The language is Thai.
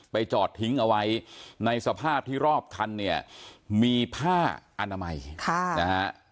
จอดทิ้งเอาไว้ในสภาพที่รอบคันเนี่ยมีผ้าอนามัยค่ะนะฮะ